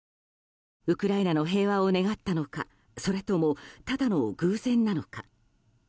ウクライナの平和を願ったのかそれともただの偶然なのか。